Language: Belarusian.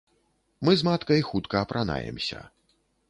Мы з маткай хутка апранаемся.